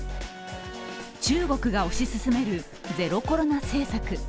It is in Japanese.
中国が推し進めるゼロコロナ政策。